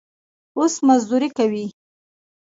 اوس مزدوري کوي.